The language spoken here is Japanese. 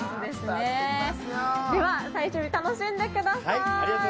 では最終日楽しんでください。